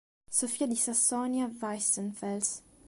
Sofia di Sassonia-Weissenfels